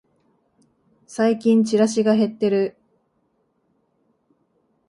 最近チラシが減ってる